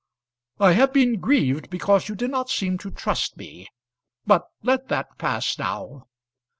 "I have been grieved because you did not seem to trust me; but let that pass now.